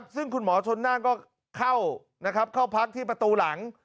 ซึ่งคุณหมอชนน่านก็เข้าพักที่ประตูหลัง